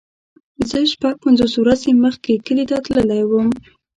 زه شپږ پنځوس ورځې مخکې کلی ته تللی وم.